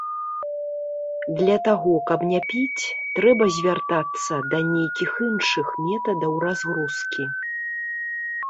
Для таго каб не піць, трэба звяртацца да нейкіх іншых метадаў разгрузкі.